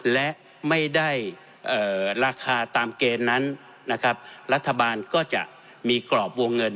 และไม่ได้ราคาตามเกณฑ์นั้นนะครับรัฐบาลก็จะมีกรอบวงเงิน